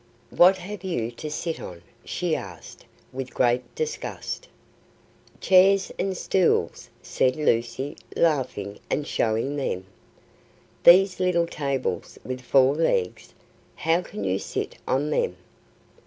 "What have you to sit on?" she asked, with great disgust. "Chairs and stools," said Lucy, laughing and showing them. "These little tables with four legs! How can you sit on them?"